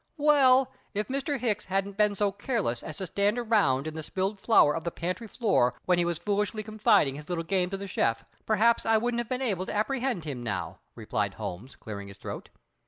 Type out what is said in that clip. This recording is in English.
"Well, if Mr. Hicks hadn't been so careless as to stand around in the spilled flour on the pantry floor when he was foolishly confiding his little game to the chef, perhaps I wouldn't have been able to apprehend him now," replied Holmes, clearing his throat.